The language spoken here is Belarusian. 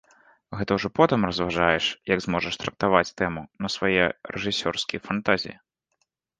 Гэта ўжо потым разважаеш, як зможаш трактаваць тэму на свае рэжысёрскія фантазіі.